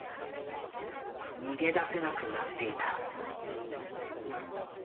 逃げ出せなくなっていた。